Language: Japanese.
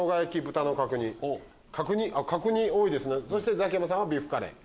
ザキヤマさんは「ビーフカレー」。